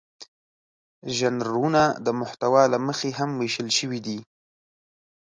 ژانرونه د محتوا له مخې هم وېشل شوي دي.